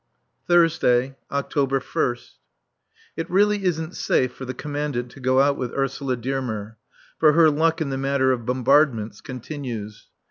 [Thursday, October 1st.] It really isn't safe for the Commandant to go out with Ursula Dearmer. For her luck in the matter of bombardments continues.